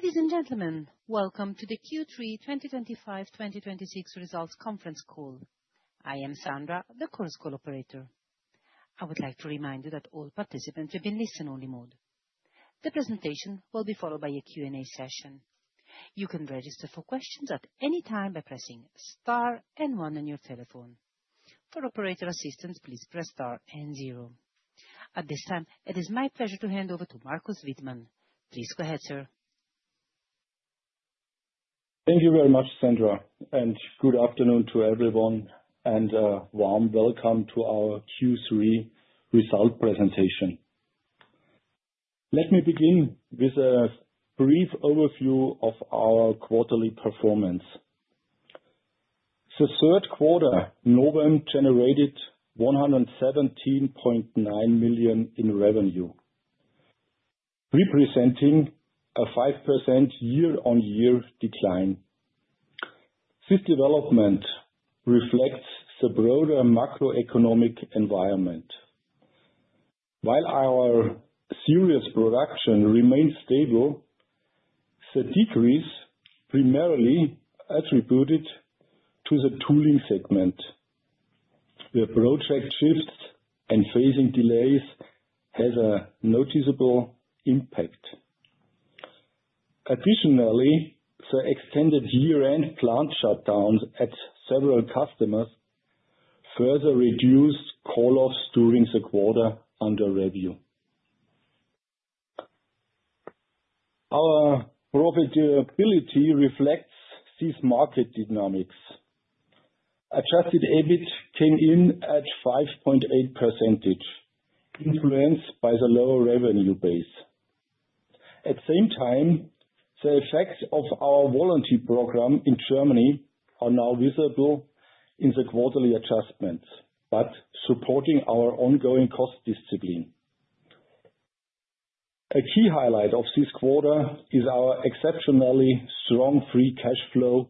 Ladies and gentlemen, welcome to the Q3 2025/2026 Results Conference Call. I am Sandra, the conference call operator. I would like to remind you that all participants are in listen-only mode. The presentation will be followed by a Q&A session. You can register for questions at any time by pressing star and one on your telephone. For operator assistance, please press star and zero. At this time, it is my pleasure to hand over to Markus Wittmann. Please go ahead, sir. Thank you very much, Sandra, and good afternoon to everyone, and warm welcome to our Q3 Result Presentation. Let me begin with a brief overview of our quarterly performance. The third quarter, Novem generated 117.9 million in revenue, representing a 5% year-on-year decline. This development reflects the broader macroeconomic environment. While our Series production remains stable, the decrease primarily attributed to the tooling segment, where project shifts and phasing delays has a noticeable impact. Additionally, the extended year-end plant shutdowns at several customers further reduced call-offs during the quarter under review. Our profitability reflects these market dynamics. Adjusted EBIT came in at 5.8%, influenced by the lower revenue base. At the same time, the effects of our voluntary program in Germany are now visible in the quarterly adjustments, but supporting our ongoing cost discipline. A key highlight of this quarter is our exceptionally strong free cash flow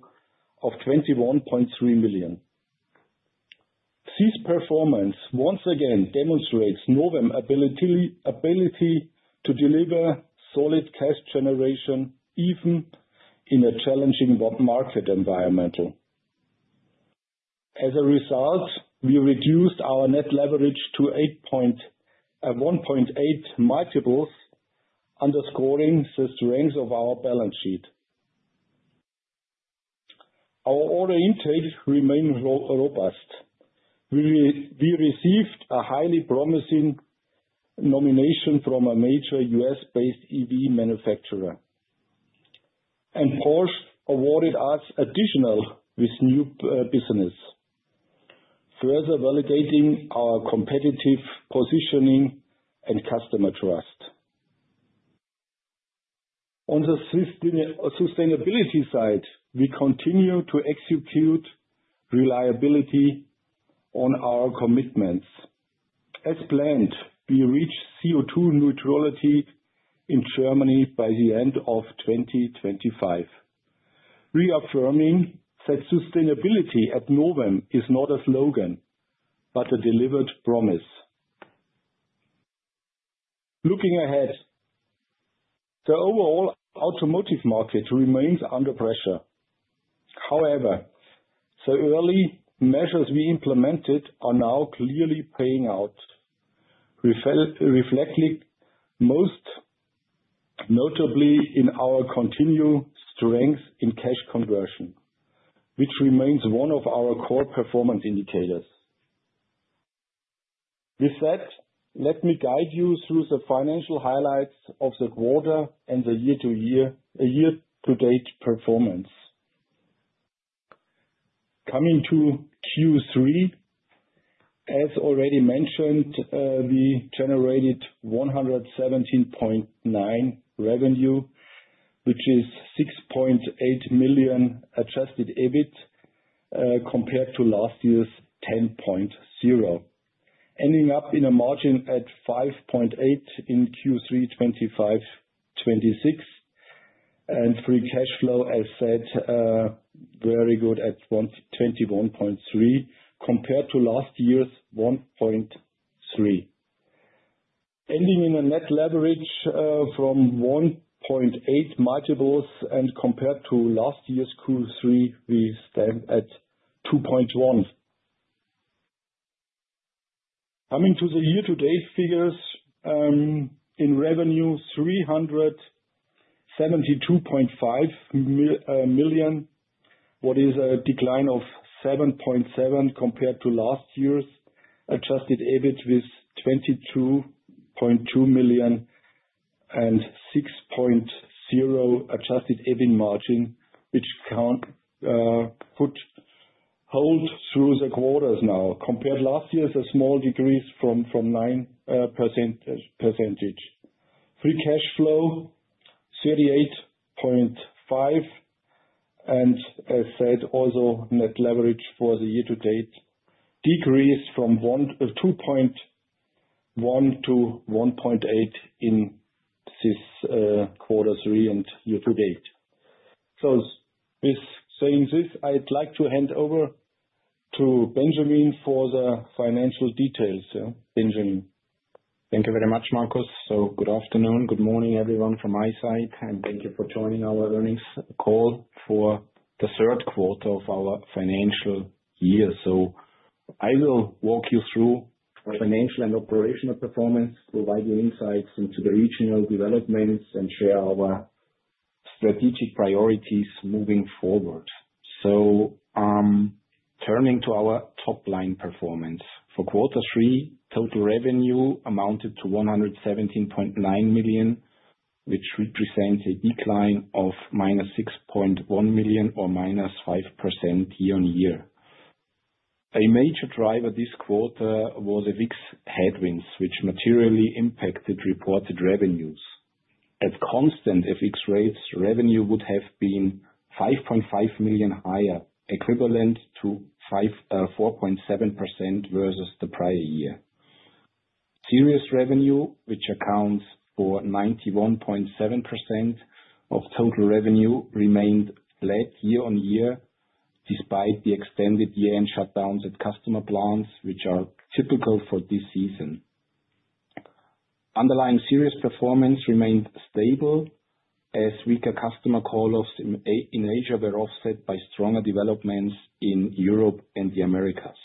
of 21.3 million. This performance once again demonstrates Novem's ability to deliver solid cash generation, even in a challenging world market environment. As a result, we reduced our net leverage to 1.8x, underscoring the strength of our balance sheet. Our order intake remained robust. We received a highly promising nomination from a major U.S.-based EV manufacturer. Porsche awarded us with additional new business, further validating our competitive positioning and customer trust. On the sustainability side, we continue to execute reliably on our commitments. As planned, we reach CO2 neutrality in Germany by the end of 2025, reaffirming that sustainability at Novem is not a slogan, but a delivered promise. Looking ahead, the overall automotive market remains under pressure. However, the early measures we implemented are now clearly paying out, reflecting most notably in our continued strength in cash conversion, which remains one of our core performance indicators. With that, let me guide you through the financial highlights of the quarter and the year-to-year, year-to-date performance. Coming to Q3, as already mentioned, we generated 117.9 million revenue, which is 6.8 million adjusted EBIT, compared to last year's 10.0 million, ending up in a margin at 5.8% in Q3 2025/26. And free cash flow, as said, very good at 21.3 million, compared to last year's 1.3 million. Ending in a net leverage from 1.8x, and compared to last year's Q3, we stand at 2.1x. Coming to the year-to-date figures, in revenue 372.5 million, which is a decline of 7.7% compared to last year’s adjusted EBIT, with 22.2 million and 6.0% adjusted EBIT margin, which continues to hold through the quarters now, compared to last year’s, a small decrease from 9%. Free cash flow 38.5 million, and as said, also, net leverage for the year-to-date decreased from 2.1x to 1.8x in this quarter three and year-to-date. So with saying this, I’d like to hand over to Benjamin for the financial details. Benjamin? Thank you very much, Markus. Good afternoon, good morning, everyone, from my side, and thank you for joining our earnings call for the third quarter of our financial year. I will walk you through our financial and operational performance, provide you insights into the regional developments, and share our strategic priorities moving forward. Turning to our top-line performance. For quarter three, total revenue amounted to 117.9 million, which represents a decline of -6.1 million or -5% year-on-year. A major driver this quarter was the FX headwinds, which materially impacted reported revenues. At constant FX rates, revenue would have been 5.5 million higher, equivalent to 4.7% versus the prior year. Series revenue, which accounts for 91.7% of total revenue, remained flat year-on-year, despite the extended year-end shutdowns at customer plants, which are typical for this season. Underlying Series performance remained stable, as weaker customer call-offs in in Asia were offset by stronger developments in Europe and the Americas.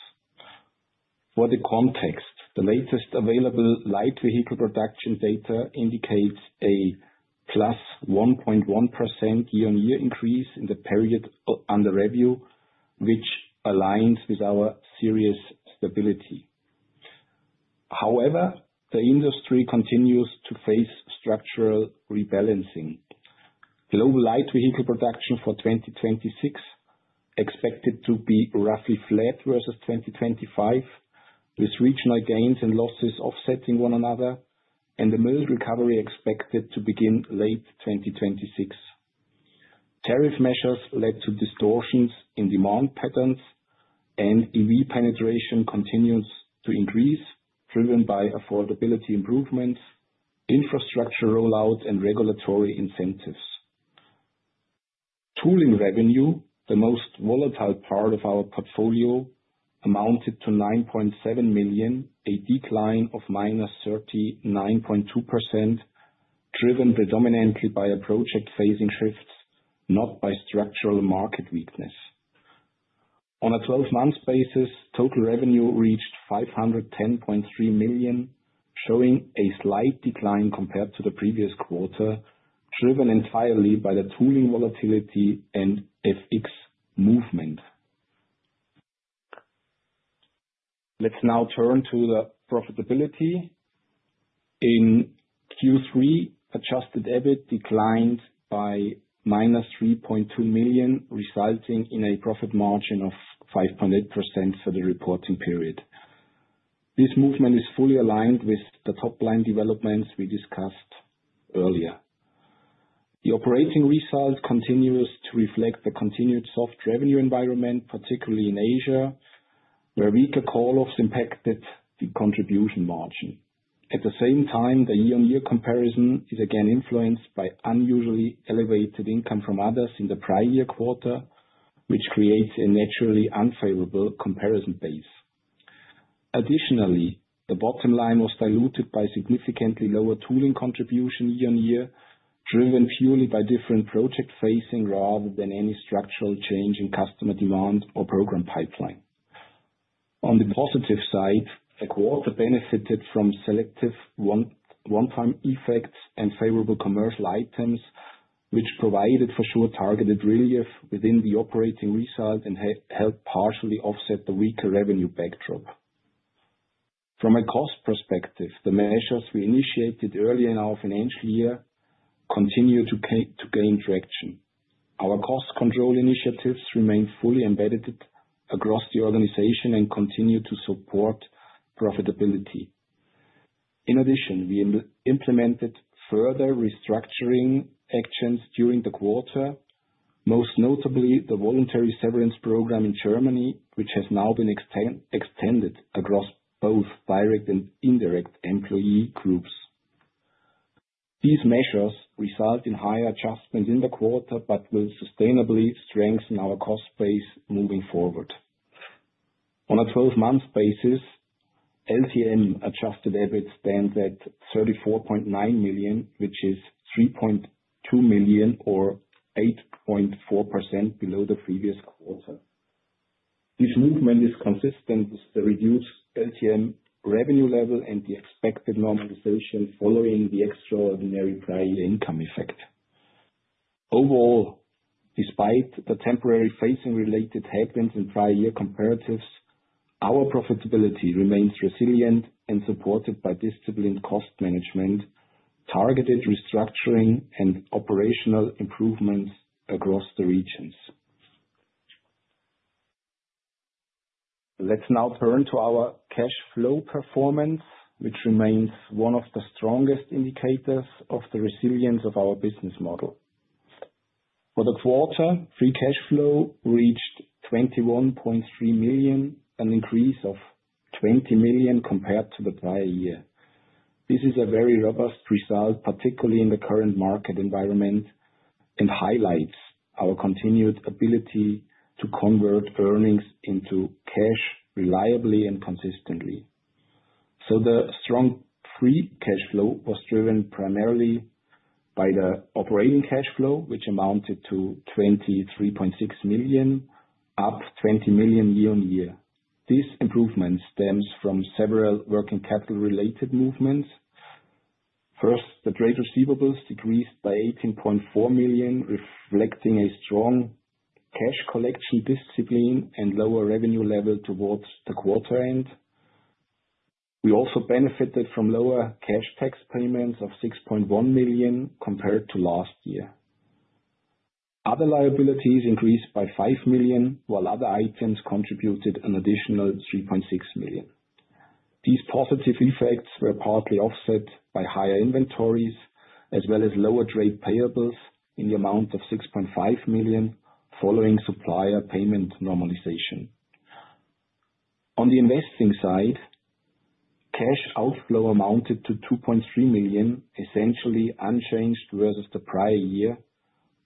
For the context, the latest available light vehicle production data indicates a +1.1% year-on-year increase in the period under review, which aligns with our Series stability. However, the industry continues to face structural rebalancing. Global light vehicle production for 2026 expected to be roughly flat versus 2025, with regional gains and losses offsetting one another, and the mild recovery expected to begin late 2026. Tariff measures led to distortions in demand patterns, and EV penetration continues to increase, driven by affordability improvements, infrastructure rollout, and regulatory incentives. Tooling revenue, the most volatile part of our portfolio, amounted to 9.7 million, a decline of -39.2%, driven predominantly by a project phasing shifts, not by structural market weakness. On a 12-month basis, total revenue reached 510.3 million, showing a slight decline compared to the previous quarter, driven entirely by the tooling volatility and FX movement. Let's now turn to the profitability. In Q3, adjusted EBIT declined by -3.2 million, resulting in a profit margin of 5.8% for the reporting period. This movement is fully aligned with the top-line developments we discussed earlier. The operating result continues to reflect the continued soft revenue environment, particularly in Asia, where weaker call-offs impacted the contribution margin. At the same time, the year-on-year comparison is again influenced by unusually elevated income from others in the prior year quarter, which creates a naturally unfavorable comparison base. Additionally, the bottom line was diluted by significantly lower tooling contribution year-on-year, driven purely by different project phasing rather than any structural change in customer demand or program pipeline. On the positive side, the quarter benefited from selective one-time effects and favorable commercial items, which provided for sure targeted relief within the operating result and helped partially offset the weaker revenue backdrop. From a cost perspective, the measures we initiated early in our financial year continue to gain traction. Our cost control initiatives remain fully embedded across the organization and continue to support profitability. In addition, we implemented further restructuring actions during the quarter, most notably the voluntary severance program in Germany, which has now been extended across both direct and indirect employee groups. These measures result in higher adjustments in the quarter, but will sustainably strengthen our cost base moving forward. On a 12-month basis, LTM adjusted EBIT stands at 34.9 million, which is 3.2 million, or 8.4% below the previous quarter. This movement is consistent with the reduced LTM revenue level and the expected normalization following the extraordinary prior year income effect. Overall, despite the temporary phasing-related headwinds in prior year comparatives, our profitability remains resilient and supported by disciplined cost management, targeted restructuring, and operational improvements across the regions. Let's now turn to our cash flow performance, which remains one of the strongest indicators of the resilience of our business model. For the quarter, free cash flow reached 21.3 million, an increase of 20 million compared to the prior year. This is a very robust result, particularly in the current market environment, and highlights our continued ability to convert earnings into cash reliably and consistently. So the strong free cash flow was driven primarily by the operating cash flow, which amounted to 23.6 million, up 20 million year-on-year. This improvement stems from several working capital-related movements. First, the trade receivables decreased by 18.4 million, reflecting a strong cash collection discipline and lower revenue level towards the quarter end. We also benefited from lower cash tax payments of 6.1 million compared to last year. Other liabilities increased by 5 million, while other items contributed an additional 3.6 million. These positive effects were partly offset by higher inventories, as well as lower trade payables in the amount of 6.5 million, following supplier payment normalization. On the investing side, cash outflow amounted to 2.3 million, essentially unchanged versus the prior year,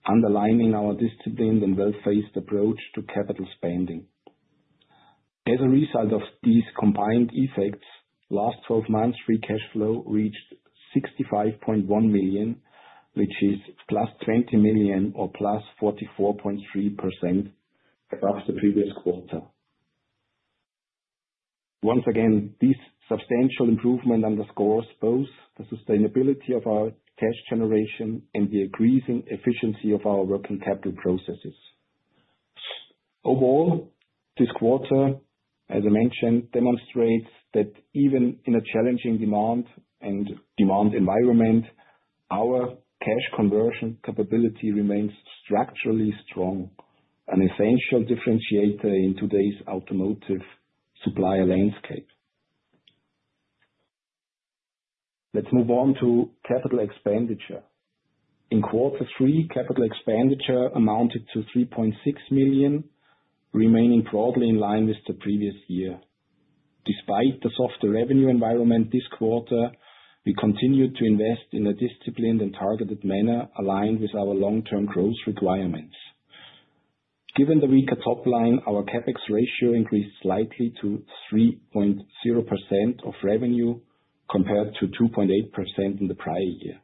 underlining our disciplined and well-phased approach to capital spending. As a result of these combined effects, last 12 months free cash flow reached 65.1 million, which is +20 million, or +44.3% above the previous quarter. Once again, this substantial improvement underscores both the sustainability of our cash generation and the increasing efficiency of our working capital processes. Overall, this quarter, as I mentioned, demonstrates that even in a challenging demand environment, our cash conversion capability remains structurally strong, an essential differentiator in today's automotive supplier landscape. Let's move on to capital expenditure. In quarter three, capital expenditure amounted to 3.6 million, remaining broadly in line with the previous year. Despite the softer revenue environment this quarter, we continued to invest in a disciplined and targeted manner, aligned with our long-term growth requirements. Given the weaker top line, our CapEx ratio increased slightly to 3.0% of revenue, compared to 2.8% in the prior year.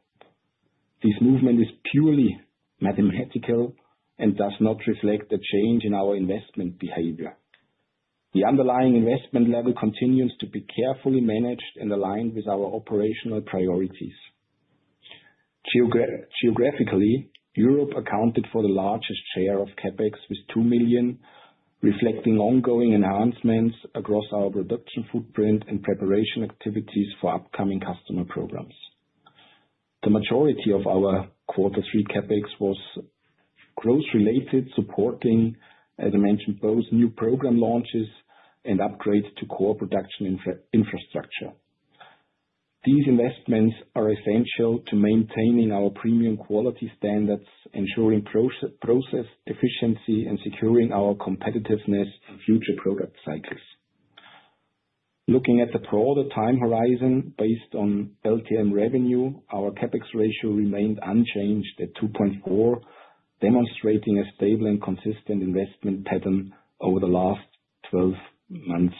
This movement is purely mathematical and does not reflect a change in our investment behavior. The underlying investment level continues to be carefully managed and aligned with our operational priorities. Geographically, Europe accounted for the largest share of CapEx, with 2 million, reflecting ongoing enhancements across our production footprint and preparation activities for upcoming customer programs. The majority of our quarter three CapEx was growth-related, supporting, as I mentioned, both new program launches and upgrades to core production infrastructure. These investments are essential to maintaining our premium quality standards, ensuring process efficiency, and securing our competitiveness for future product cycles. Looking at the broader time horizon, based on LTM revenue, our CapEx ratio remained unchanged at 2.4, demonstrating a stable and consistent investment pattern over the last 12 months.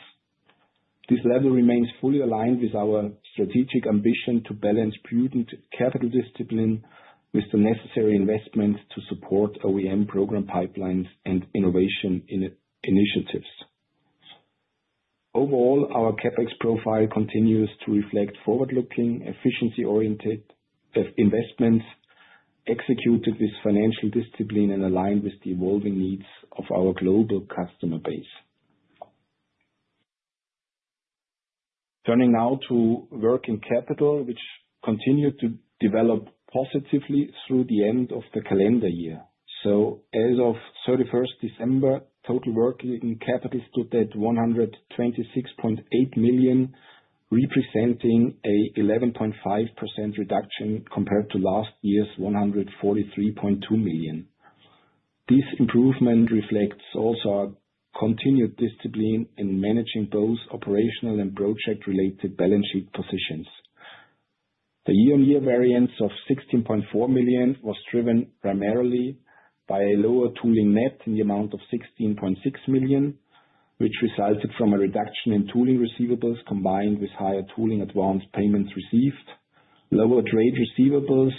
This level remains fully aligned with our strategic ambition to balance prudent capital discipline with the necessary investments to support OEM program pipelines and innovation in initiatives. Overall, our CapEx profile continues to reflect forward-looking, efficiency-oriented investments, executed with financial discipline and aligned with the evolving needs of our global customer base. Turning now to working capital, which continued to develop positively through the end of the calendar year. As of 31st December, total working capital stood at 126.8 million, representing an 11.5% reduction compared to last year's 143.2 million. This improvement reflects also our continued discipline in managing both operational and project-related balance sheet positions. The year-on-year variance of 16.4 million was driven primarily by a lower tooling net in the amount of 16.6 million, which resulted from a reduction in tooling receivables, combined with higher tooling advance payments received. Lower trade receivables,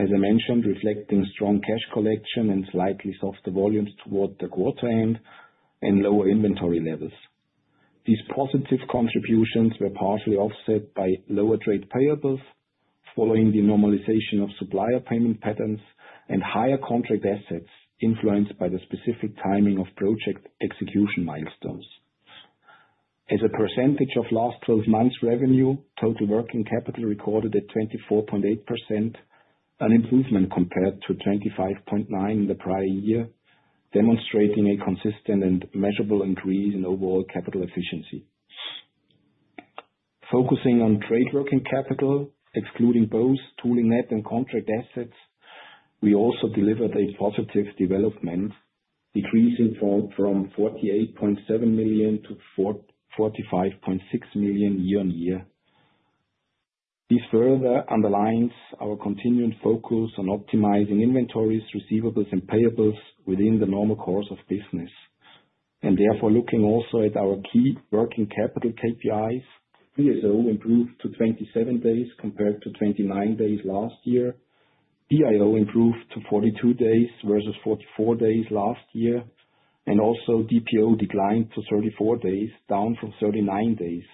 as I mentioned, reflecting strong cash collection and slightly softer volumes toward the quarter end and lower inventory levels. These positive contributions were partially offset by lower trade payables, following the normalization of supplier payment patterns and higher contract assets, influenced by the specific timing of project execution milestones. As a percentage of last 12 months' revenue, total working capital recorded at 24.8%, an improvement compared to 25.9% the prior year, demonstrating a consistent and measurable increase in overall capital efficiency. Focusing on trade working capital, excluding both tooling net and contract assets. We also delivered a positive development, decreasing from 48.7 million to 45.6 million year-on-year. This further underlines our continuing focus on optimizing inventories, receivables, and payables within the normal course of business. Therefore, looking also at our key working capital KPIs, DSO improved to 27 days compared to 29 days last year. DIO improved to 42 days versus 44 days last year, and also DPO declined to 34 days, down from 39 days,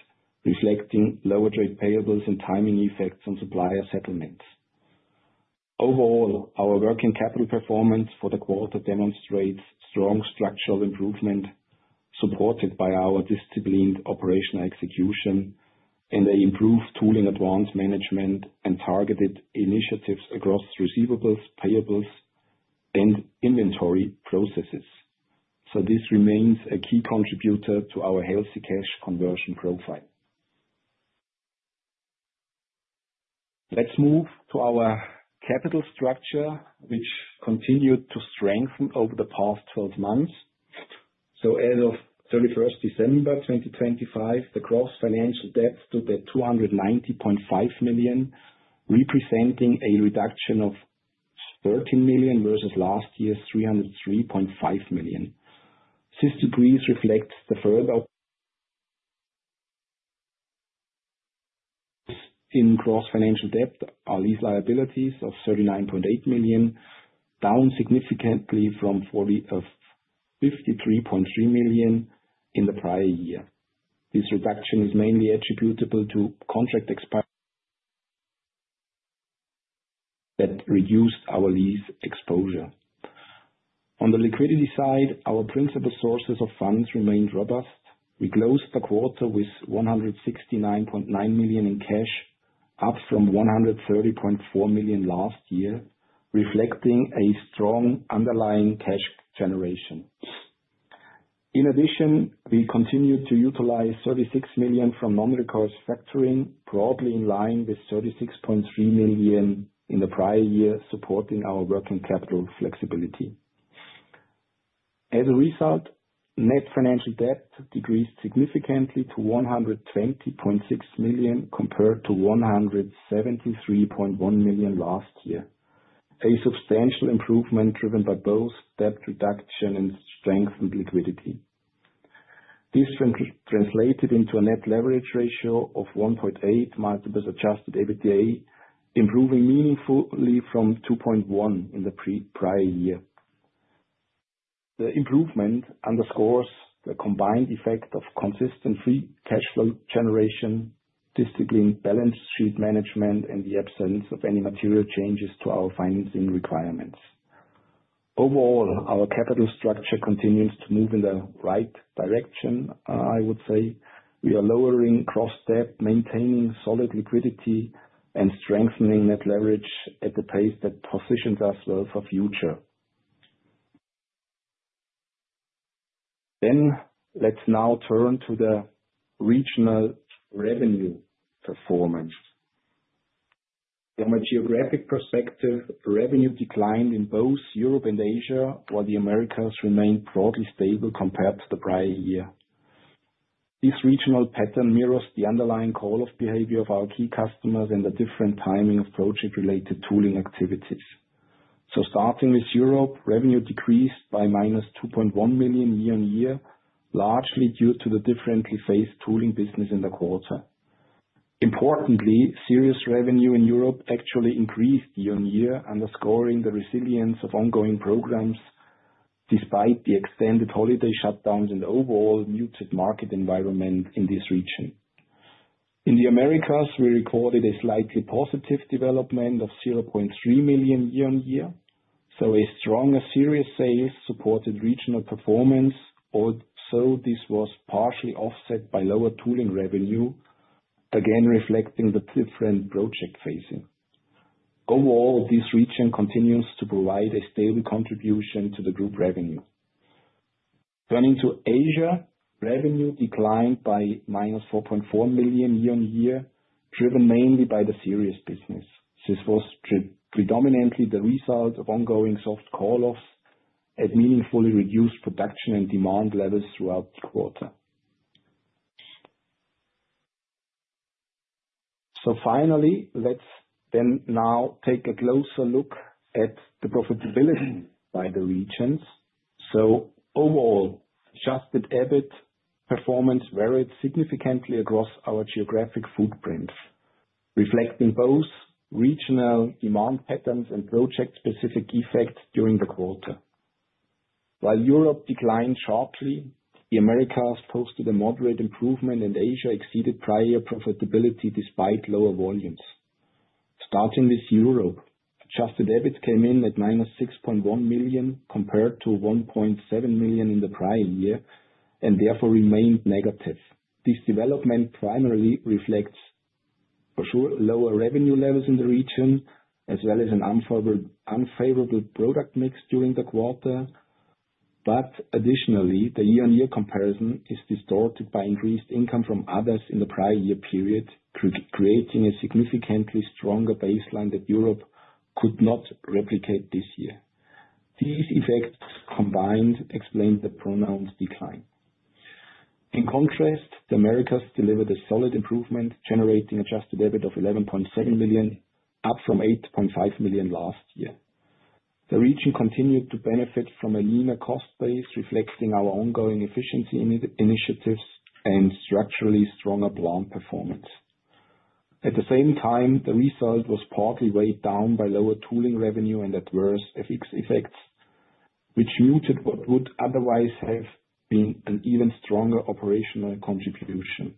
reflecting lower trade payables and timing effects on supplier settlements. Overall, our working capital performance for the quarter demonstrates strong structural improvement, supported by our disciplined operational execution and the improved tooling advance management and targeted initiatives across receivables, payables, and inventory processes. This remains a key contributor to our healthy cash conversion profile. Let's move to our capital structure, which continued to strengthen over the past 12 months. As of 31st December 2025, the gross financial debt stood at 290.5 million, representing a reduction of 13 million versus last year's 303.5 million. This decrease reflects the further reduction in gross financial debt, our lease liabilities of 39.8 million, down significantly from 53.3 million in the prior year. This reduction is mainly attributable to contract expirations that reduced our lease exposure. On the liquidity side, our principal sources of funds remained robust. We closed the quarter with 169.9 million in cash, up from 130.4 million last year, reflecting a strong underlying cash generation. In addition, we continued to utilize 36 million from non-recourse factoring, broadly in line with 36.3 million in the prior year, supporting our working capital flexibility. As a result, net financial debt decreased significantly to 120.6 million, compared to 173.1 million last year, a substantial improvement driven by both debt reduction and strengthened liquidity. This translated into a net leverage ratio of 1.8x adjusted EBITDA, improving meaningfully from 2.1x in the prior year. The improvement underscores the combined effect of consistent free cash flow generation, disciplined balance sheet management, and the absence of any material changes to our financing requirements. Overall, our capital structure continues to move in the right direction, I would say. We are lowering gross debt, maintaining solid liquidity, and strengthening net leverage at a pace that positions us well for future. Then, let's now turn to the regional revenue performance. From a geographic perspective, revenue declined in both Europe and Asia, while the Americas remained broadly stable compared to the prior year. This regional pattern mirrors the underlying call-off behavior of our key customers and the different timing of project-related tooling activities. So starting with Europe, revenue decreased by -2.1 million year-on-year, largely due to the differently phased tooling business in the quarter. Importantly, Series revenue in Europe actually increased year-on-year, underscoring the resilience of ongoing programs despite the extended holiday shutdowns and the overall muted market environment in this region. In the Americas, we recorded a slightly positive development of 0.3 million year-on-year, so a stronger Series sales supported regional performance, also this was partially offset by lower tooling revenue, again, reflecting the different project phasing. Overall, this region continues to provide a stable contribution to the group revenue. Turning to Asia, revenue declined by -4.4 million year-on-year, driven mainly by the Series business. This was predominantly the result of ongoing soft call-offs and meaningfully reduced production and demand levels throughout the quarter. Finally, let's now take a closer look at the profitability by the regions. Overall, adjusted EBIT performance varied significantly across our geographic footprints, reflecting both regional demand patterns and project-specific effects during the quarter. While Europe declined sharply, the Americas posted a moderate improvement, and Asia exceeded prior profitability despite lower volumes. Starting with Europe, adjusted EBIT came in at -6.1 million, compared to 1.7 million in the prior year, and therefore remained negative. This development primarily reflects, for sure, lower revenue levels in the region, as well as an unfavorable product mix during the quarter. But additionally, the year-on-year comparison is distorted by increased income from others in the prior year period, creating a significantly stronger baseline that Europe could not replicate this year. These effects combined explain the pronounced decline. In contrast, the Americas delivered a solid improvement, generating adjusted EBIT of 11.7 million, up from 8.5 million last year. The region continued to benefit from a leaner cost base, reflecting our ongoing efficiency initiatives and structurally stronger brand performance. At the same time, the result was partly weighed down by lower tooling revenue and adverse FX effects, which muted what would otherwise have been an even stronger operational contribution.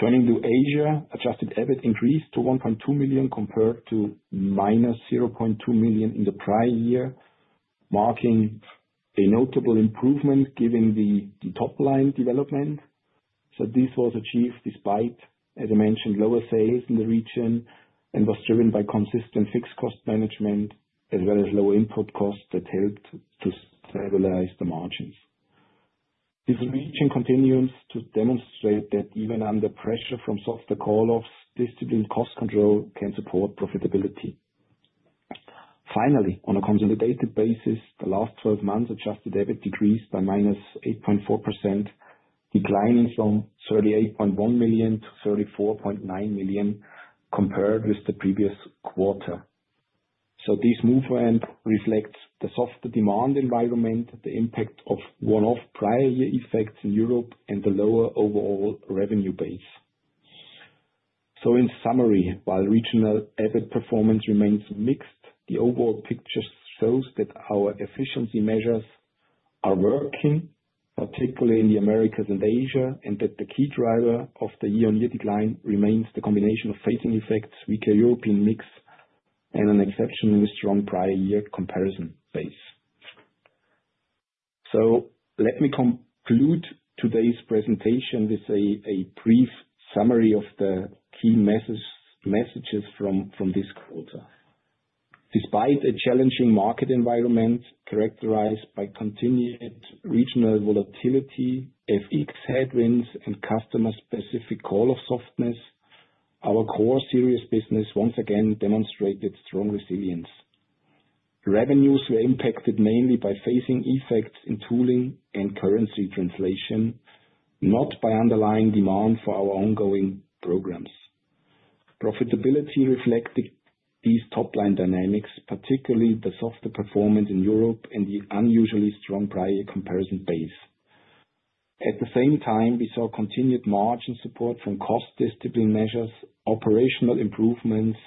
Turning to Asia, adjusted EBIT increased to 1.2 million, compared to -0.2 million in the prior year, marking a notable improvement given the top line development. So this was achieved despite, as I mentioned, lower sales in the region, and was driven by consistent fixed cost management as well as lower input costs that helped to stabilize the margins. This region continues to demonstrate that even under pressure from softer call-offs, disciplined cost control can support profitability. Finally, on a consolidated basis, the last 12 months adjusted EBIT decreased by -8.4%, declining from 38.1 million to 34.9 million compared with the previous quarter. So this movement reflects the softer demand environment, the impact of one-off prior year effects in Europe, and the lower overall revenue base. So in summary, while regional EBIT performance remains mixed, the overall picture shows that our efficiency measures are working, particularly in the Americas and Asia, and that the key driver of the year-on-year decline remains the combination of phasing effects, weaker European mix, and an exceptionally strong prior year comparison base. So let me conclude today's presentation with a brief summary of the key messages from this quarter. Despite a challenging market environment characterized by continued regional volatility, FX headwinds, and customer-specific call-off softness, our core series business once again demonstrated strong resilience. Revenues were impacted mainly by phasing effects in tooling and currency translation, not by underlying demand for our ongoing programs. Profitability reflected these top-line dynamics, particularly the softer performance in Europe and the unusually strong prior year comparison base. At the same time, we saw continued margin support from cost discipline measures, operational improvements,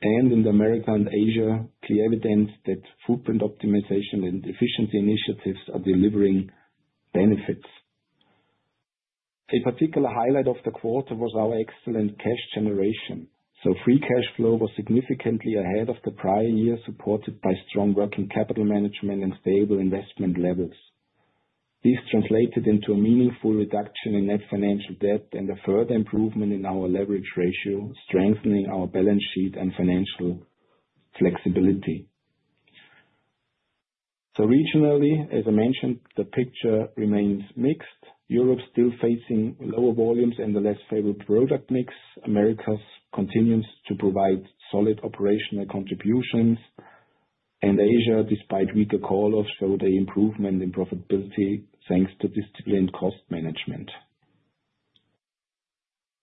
and in the Americas and Asia, clear evidence that footprint optimization and efficiency initiatives are delivering benefits. A particular highlight of the quarter was our excellent cash generation. So free cash flow was significantly ahead of the prior year, supported by strong working capital management and stable investment levels. This translated into a meaningful reduction in net financial debt and a further improvement in our leverage ratio, strengthening our balance sheet and financial flexibility. So regionally, as I mentioned, the picture remains mixed. Europe still facing lower volumes and a less favorable product mix. Americas continues to provide solid operational contributions. And Asia, despite weaker call-offs, showed an improvement in profitability, thanks to disciplined cost management.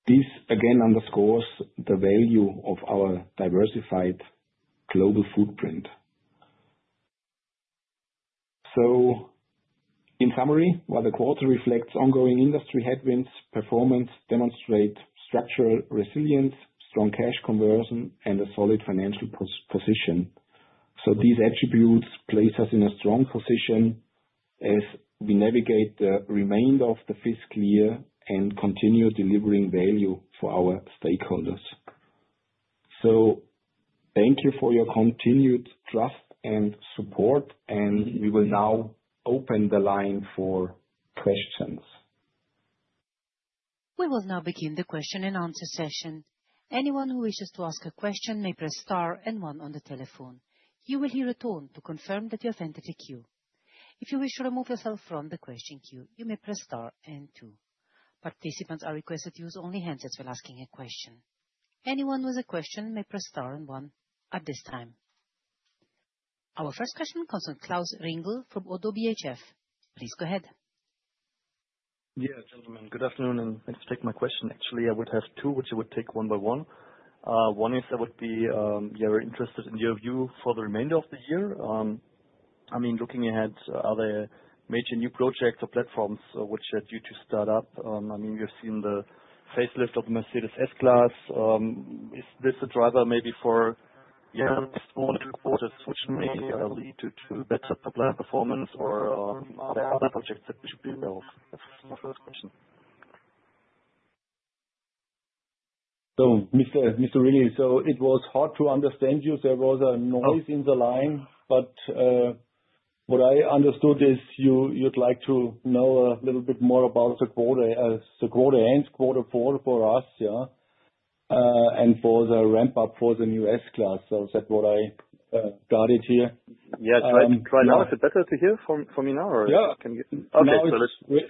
This again underscores the value of our diversified global footprint. In summary, while the quarter reflects ongoing industry headwinds, performance demonstrate structural resilience, strong cash conversion, and a solid financial position. These attributes place us in a strong position as we navigate the remainder of the fiscal year and continue delivering value for our stakeholders. Thank you for your continued trust and support, and we will now open the line for questions. We will now begin the question-and-answer session. Anyone who wishes to ask a question may press star and one on the telephone. You will hear a tone to confirm that you have entered the queue. If you wish to remove yourself from the question queue, you may press star and two. Participants are requested to use only handsets when asking a question. Anyone with a question may press star and one at this time. Our first question comes from Klaus Ringel from ODDO BHF. Please go ahead. Yeah, gentlemen, good afternoon, and thanks for taking my question. Actually, I would have two, which I would take one by one. One is, I would be, yeah, we're interested in your view for the remainder of the year. I mean, looking ahead, are there major new projects or platforms which are due to start up? I mean, we've seen the facelift of the Mercedes-Benz S-Class. Is this a driver maybe for, yeah, smaller quarters, which may lead to better top-line performance, or are there other projects that we should be aware of? That's my first question. So, Mr. Ringel, so it was hard to understand you. There was a noise in the line, but what I understood is you'd like to know a little bit more about the quarter, the quarter end, quarter four for us, yeah? And for the ramp up for the new S-Class. So is that what I got it here? Yes. Try now. Is it better to hear from me now, or? Yeah. Can you?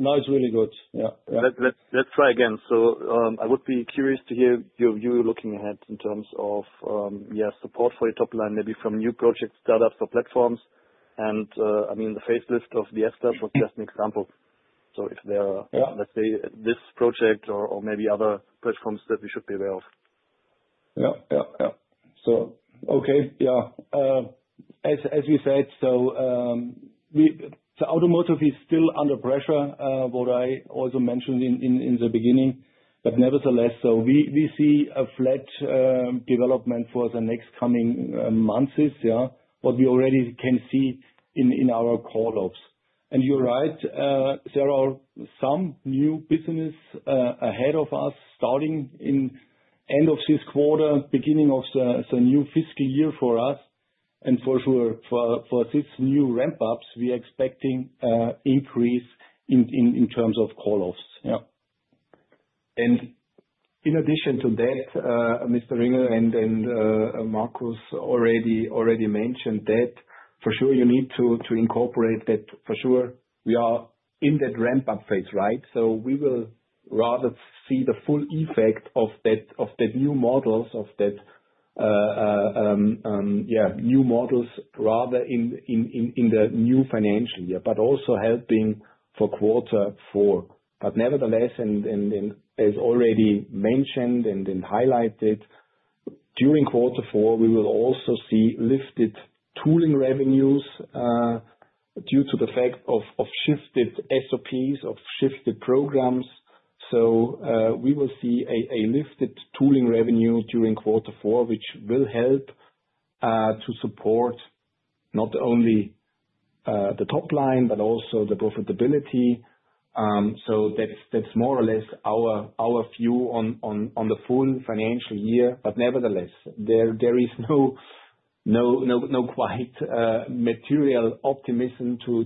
Now it's, now it's really good. Yeah. Yeah. Let's try again. So, I would be curious to hear your view looking ahead in terms of, yeah, support for your top line, maybe from new project startups or platforms. And, I mean, the facelift of the S-Class was just an example. So if there are. Yeah. Let's say, this project or, or maybe other platforms that we should be aware of. Yeah, yeah, yeah. So okay, yeah. As you said, so we, the automotive is still under pressure, what I also mentioned in the beginning. But nevertheless, so we see a flat development for the next coming months this year. What we already can see in our call-offs. And you're right, there are some new business ahead of us, starting in end of this quarter, beginning of the new fiscal year for us. And for sure, for this new ramp-ups, we are expecting increase in terms of call-offs. Yeah. In addition to that, Mr. Ringel and Markus already mentioned that for sure you need to incorporate that for sure, we are in that ramp-up phase, right? So we will rather see the full effect of that, of the new models rather in the new financial year, but also helping for quarter four. But nevertheless, as already mentioned and highlighted, during quarter four, we will also see lifted tooling revenues due to the fact of shifted SOPs, of shifted programs. So, we will see a lifted tooling revenue during quarter four, which will help to support not only the top line, but also the profitability. So that's more or less our view on the full financial year. But nevertheless, there is no quite material optimism to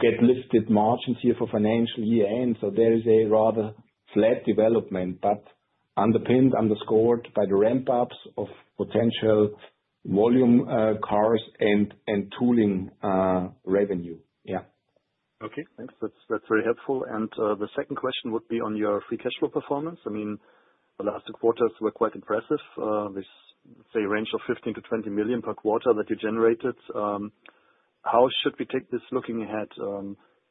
get listed margins here for financial year end. So there is a rather flat development, but underpinned, underscored by the ramp-ups of potential volume cars and tooling revenue. Yeah. Okay, thanks. That's, that's very helpful. And the second question would be on your free cash flow performance. I mean, the last two quarters were quite impressive, with, say, a range of 15 million-20 million per quarter that you generated. How should we take this looking ahead?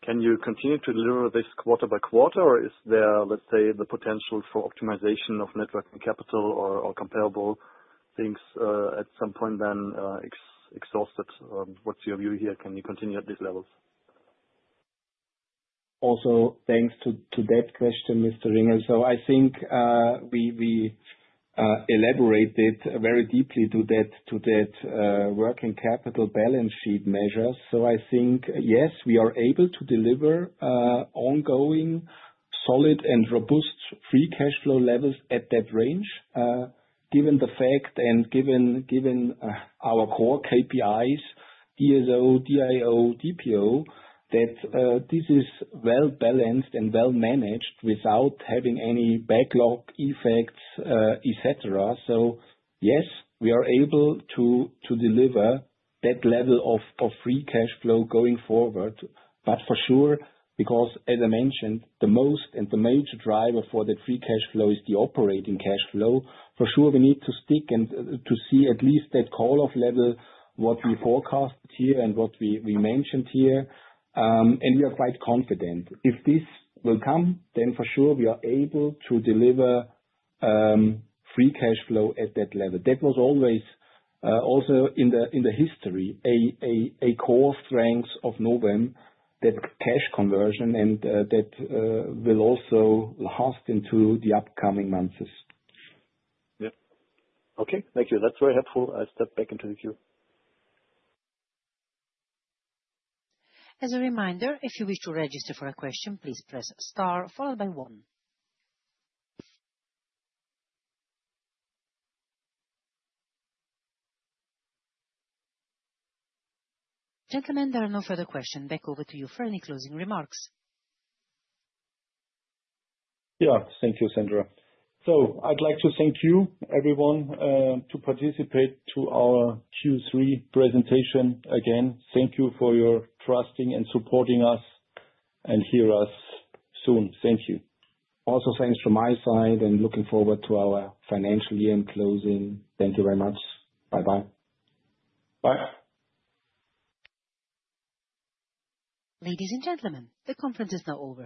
Can you continue to deliver this quarter by quarter, or is there, let's say, the potential for optimization of net working capital or comparable things, at some point then exhausted? What's your view here? Can you continue at these levels? Also, thanks to that question, Mr. Ringel. So I think we elaborated very deeply to that working capital balance sheet measures. So I think, yes, we are able to deliver ongoing, solid and robust free cash flow levels at that range. Given the fact and given our core KPIs, DSO, DIO, DPO, that this is well balanced and well managed without having any backlog effects, et cetera. So yes, we are able to deliver that level of free cash flow going forward. But for sure, because as I mentioned, the most and the major driver for the free cash flow is the operating cash flow. For sure, we need to stick and to see at least that call-off level, what we forecast here and what we mentioned here. And we are quite confident. If this will come, then for sure we are able to deliver free cash flow at that level. That was always also in the history a core strength of Novem, that cash conversion, and that will also last into the upcoming months. Yeah. Okay, thank you. That's very helpful. I step back into the queue. As a reminder, if you wish to register for a question, please press star followed by one. Gentlemen, there are no further questions. Back over to you for any closing remarks. Yeah. Thank you, Sandra. So I'd like to thank you, everyone, to participate to our Q3 presentation. Again, thank you for your trusting and supporting us, and hear us soon. Thank you. Also, thanks from my side, and looking forward to our financial year closing. Thank you very much. Bye-bye. Bye. Ladies and gentlemen, the conference is now over.